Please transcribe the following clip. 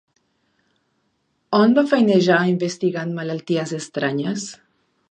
On va feinejar investigant malalties estranyes?